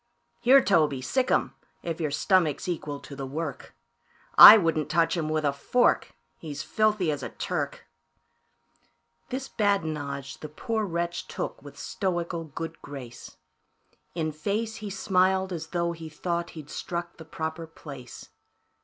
"Here, Toby, sic 'em, if your stomach's equal to the work I wouldn't touch him with a fork, he's filthy as a Turk." This badinage the poor wretch took with stoical good grace; In face, he smiled as tho' he thought he'd struck the proper place.